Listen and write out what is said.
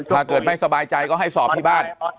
ถ้าเกิดไม่สบายใจก็ให้สอบที่บ้าน